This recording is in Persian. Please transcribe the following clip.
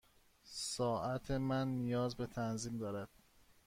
ساعت من نیاز به تنظیم دارد.